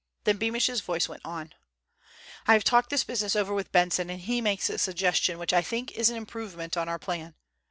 Then Beamish's voice went on: "I have talked this business over with Benson, and he makes a suggestion which I think is an improvement on our plan.